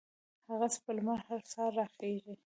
هغسې به لمر هر سهار را خېژي